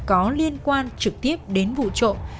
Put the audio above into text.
có liên quan trực tiếp đến vụ trộm